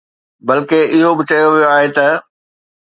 بلڪه اهو به چيو ويو آهي ته